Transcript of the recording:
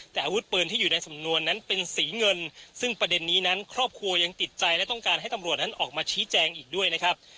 แต่อาวุธปืนที่อยู่ในสำนวนนั้นเป็นสีเงินซึ่งประเด็นนี้นั้นครอบครัวยังติดใจและต้องการให้ตำรวจนั้นออกมาชี้แจงอีกด้วยนะครับ